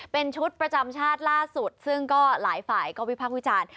เป็นชุดประจำชาติล่าสุดซึ่งก็หลายฝ่ายก็วิพากษ์วิจารณ์